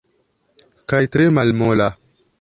Kaj tre malmola.